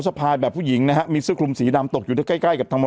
สะพายแบบผู้หญิงนะฮะมีเสื้อคลุมสีดำตกอยู่ใกล้ใกล้กับธรรม